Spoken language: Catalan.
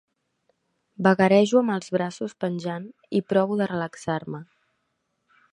Vagarejo amb els braços penjant i provo de relaxar-me.